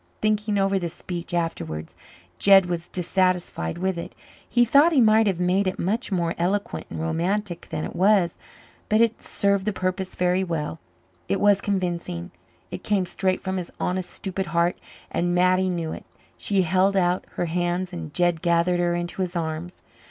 Thinking over this speech afterwards Jed was dissatisfied with it. He thought he might have made it much more eloquent and romantic than it was. But it served the purpose very well. It was convincing it came straight from his honest, stupid heart, and Mattie knew it. She held out her hands and Jed gathered her into his arms.